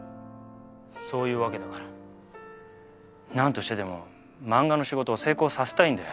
そういうわけだからなんとしてでも漫画の仕事を成功させたいんだよ。